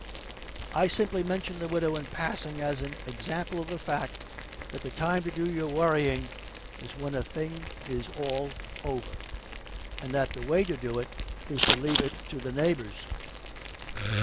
I simply mention the Widow in passing as an example of the fact that the time to do your worrying is when a thing is all over, and that the way to do it is to leave it to the neighbors.